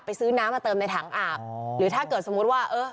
ซื้อน้ำมาเติมในถังอาบหรือถ้าเกิดสมมุติว่าเออ